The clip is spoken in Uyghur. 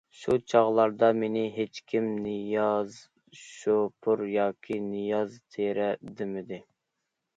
شۇ چاغلاردا مېنى ھېچكىم‹‹ نىياز شوپۇر›› ياكى‹‹ نىياز تېرە›› دېمىدى.